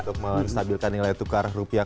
untuk menstabilkan nilai tukar rupiah